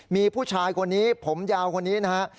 มีผู้ชายคนนี้ผมยาวคนนี้นะฮะ